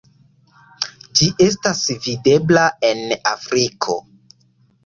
Ĝi estis videbla en Afriko.